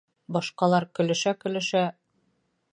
Башҡалар, көлөшә-көлөшә: